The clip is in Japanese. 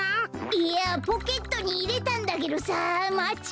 いやポケットにいれたんだけどさまちがえたんだよ